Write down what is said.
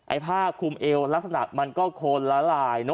ไอพักคลุมเอวลักษณะมันก็คนละลาย